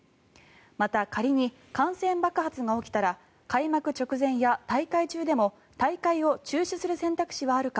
また、仮に感染爆発が起きたら開幕直前や大会中でも大会を中止する選択肢はあるか？